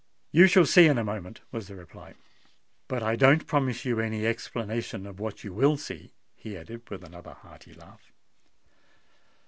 "You shall see in a moment," was the reply; "but I don't promise you any explanation of what you will see," he added with another hearty laugh.